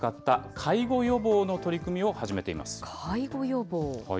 介護予防。